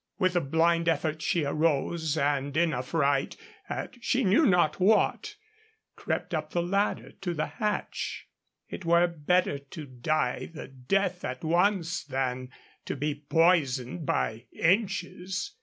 With a blind effort she arose, and in affright at she knew not what crept up the ladder to the hatch. It were better to die the death at once than to be poisoned by inches.